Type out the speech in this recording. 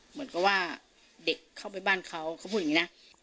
เหมือนกับว่าเด็กเข้าไปบ้านเขาเขาพูดอย่างนี้นะ